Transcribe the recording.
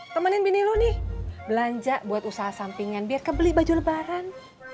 temenin binilu nih belanja buat usaha sampingan biar kebeli baju lebaran